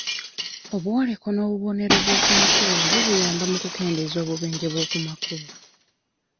Obwoleko n'obubonero bw'okumakubo nabwo buyamba mu kukendeeza obubenje bw'okumakubo.